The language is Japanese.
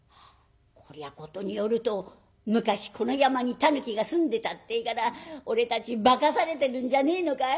こりゃ事によると昔この山にたぬきが住んでたってえから俺たち化かされてるんじゃねえのかい？